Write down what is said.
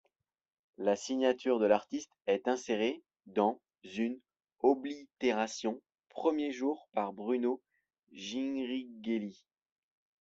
La signature de l'artiste est inséré dans une oblitération premier jour par Bruno Ghiringhelli.